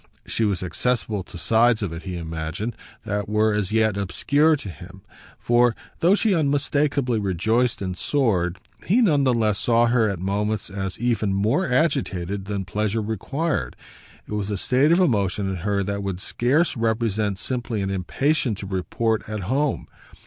She was accessible to sides of it, he imagined, that were as yet obscure to him; for, though she unmistakeably rejoiced and soared, he none the less saw her at moments as even more agitated than pleasure required. It was a state of emotion in her that could scarce represent simply an impatience to report at home.